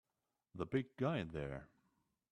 The big guy there!